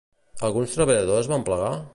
Alguns treballadors van plegar?